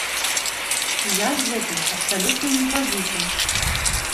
І я з гэтым абсалютна не згаджуся.